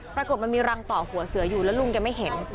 ปรากฏมันมีรังต่อหัวเสืออยู่แล้วลุงแกไม่เห็น